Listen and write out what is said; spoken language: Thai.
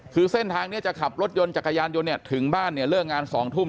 คือเส้นทางนี้จะขับรถยนต์จักรยานยนต์เนี่ยถึงบ้านเนี่ยเลิกงาน๒ทุ่ม